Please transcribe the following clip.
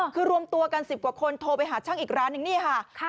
คือรวมตัวกัน๑๐กว่าคนโทรไปหาช่างอีกร้านนึงนี่ค่ะ